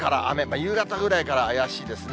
夕方ぐらいから怪しいですね。